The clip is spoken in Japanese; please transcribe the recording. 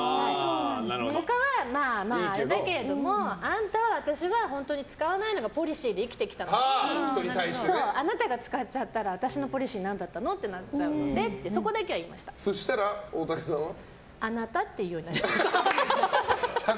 他はまあ、あれだけれども「あんた」は、私は使わないのがポリシーで生きてきたのにあなたが使っちゃったら私のポリシーなんだったのってなっちゃうからそうしたら、大竹さんは？あなたって言うようになりました。